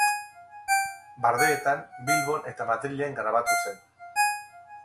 Bardeetan, Bilbon eta Madrilen grabatu zen.